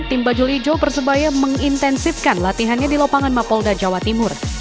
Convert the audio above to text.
tim bajul ijo persebaya mengintensifkan latihannya di lopangan mapolda jawa timur